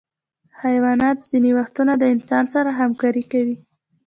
حیوانات ځینې وختونه د انسان سره همکاري کوي.